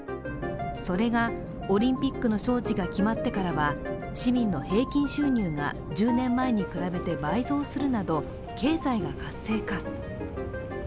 それが、オリンピックの招致が決まってからは、市民の平均収入が１０年前に比べて倍増するなど経済が活性化。